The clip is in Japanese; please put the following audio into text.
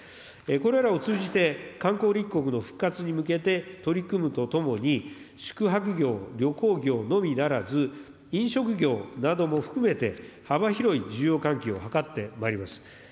これらを通じて、観光立国の復活に向けて取り組むとともに、宿泊業、旅行業のみならず、飲食業なども含めて、幅広い需要喚起を図ってまいります。